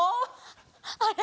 あれ？